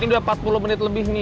ini sudah empat puluh menit lebih